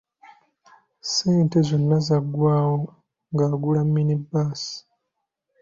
Ssente zonna zaggwawo ng'agula mini-baasi.